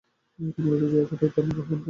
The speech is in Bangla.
এটি মূলত জোয়ার ভাটার পানি বহন করে।